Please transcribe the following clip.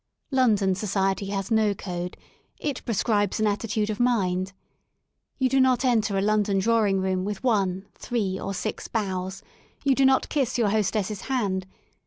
Lon don society has no code, it prescribes an attitude of mind. You do not enter a London drawing room with one, three or six bows; you do not kiss your hostesses hand.